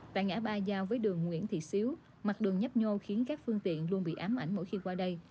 tại ngã ba giao với đường nguyễn thị xíu mặt đường nhấp nhô khiến các phương tiện luôn bị ám ảnh mỗi khi qua đây